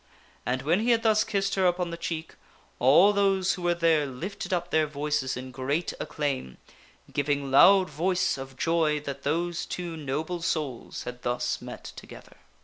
And when he had thus kissed her upon the cheek, all those who were there lifted up their voices in great acclaim, giving loud voice of joy that those two noble souls had thus met together.